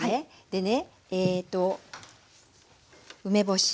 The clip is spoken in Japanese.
でねえと梅干し。